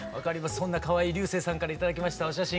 そんなかわいい彩青さんから頂きましたお写真